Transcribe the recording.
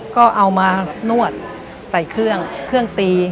ก็เอามานวดใส่เครื่องเครื่องตี